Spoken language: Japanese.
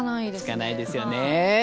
つかないですよね！